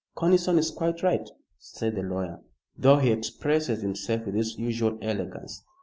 "Conniston is quite right," said the lawyer, "though he expresses himself with his usual elegance.